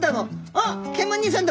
あっケンマ兄さんだ！」。